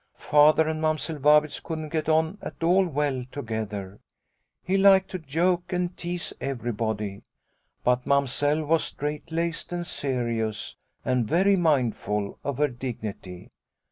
Father and Mamsell Vabitz couldn't get on at all well together. He liked to joke and tease everybody, but Mamsell was strait laced and serious and very mindful of her dignity.